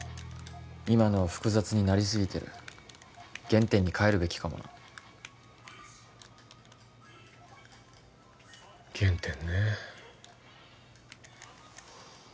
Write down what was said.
今のは複雑になりすぎてる原点に返るべきかもな原点ねえ